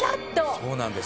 そうなんですよ。